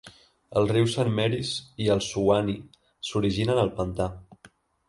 El riu Saint Marys i el Suwannee s'originen al pantà.